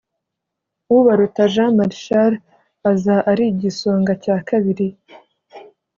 Ubaruta Jean Marshal aza ari igisonga cya kabiri